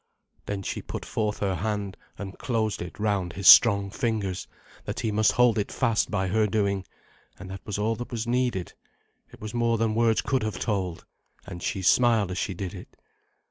Then she put forth her hand and closed it round his strong fingers, that he must hold it fast by her doing, and that was all that was needed. It was more than words could have told. And she smiled as she did it.